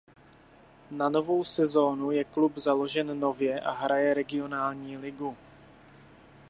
Na novou sezonu je klub založen nově a hraje regionální ligu.